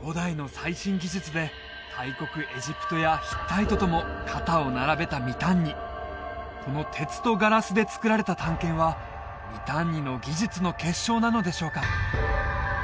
古代の最新技術で大国エジプトやヒッタイトとも肩を並べたミタンニこの鉄とガラスで作られた短剣はミタンニの技術の結晶なのでしょうか？